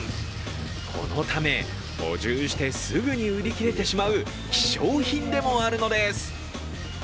このため、補充してすぐに売り切れてしまう希少品でもあるのです。